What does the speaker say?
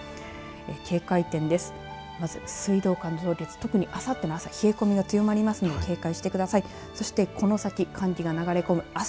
警戒点です。